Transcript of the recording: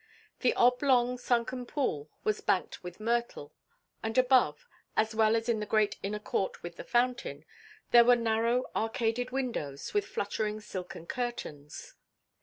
The oblong sunken pool was banked with myrtle, and above, as well as in the great inner court with the fountain, there were narrow arcaded windows with fluttering silken curtains.